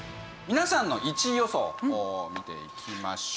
皆さんの１位予想を見ていきましょう。